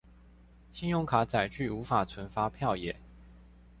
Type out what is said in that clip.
信用卡載具無法存發票耶